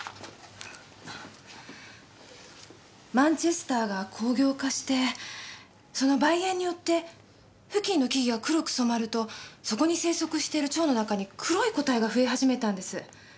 マンチェスターが工業化してその煤煙によって付近の木々が黒く染まるとそこに生息してる蝶の中に黒い個体が増え始めたんです。